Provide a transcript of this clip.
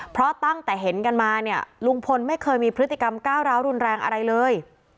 เพราะตั้งแต่เห็นกันมาเนี่ยลุงพลไม่เคยมีพฤติกรรมก้าวร้าวรุนแรงอะไรเลย